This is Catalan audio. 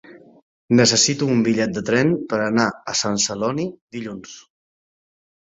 Necessito un bitllet de tren per anar a Sant Celoni dilluns.